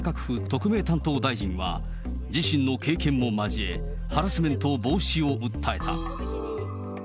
特命担当大臣は、自身の経験も交え、ハラスメント防止を訴えた。